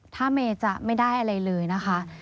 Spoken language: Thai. ถ้าเมย์จะไม่ได้อะไรเลยนะคะ